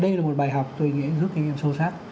đây là một bài học tôi nghĩ rút kinh nghiệm sâu sắc